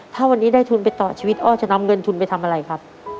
ถ้าวันนี้ได้ทุนไปต่อชีวิตอ้อจะนำเงินทุนไปทำอะไรครับ